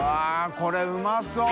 これうまそう。